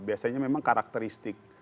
biasanya memang karakteristik